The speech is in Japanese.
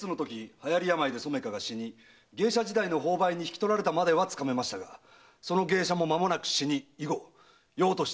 流行病で染香が死に芸者時代の朋輩に引き取られたまではつかめましたがその芸者もまもなく死に以後杳として消息が。